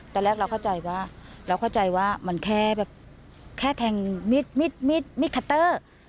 แต่แรกเราเข้าใจว่ามันแค่แทงมีดมีดมีดมีดคัตเตอร์